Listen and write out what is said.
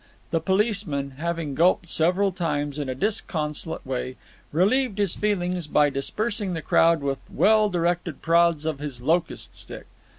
The policeman, having gulped several times in a disconsolate way, relieved his feelings by dispersing the crowd with well directed prods of his locust stick.